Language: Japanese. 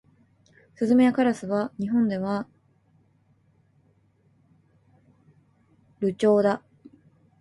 スズメやカラスは日本では留鳥だ。